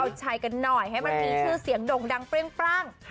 เอาชัยกันหน่อยให้มันมีชื่อเสียงด่งดังเปรี้ยงปร่าง